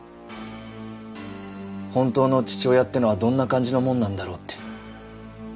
本当の父親っていうのはどんな感じのもんなんだろうって。